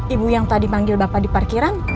ibu yang tadi manggil bapak di parkiran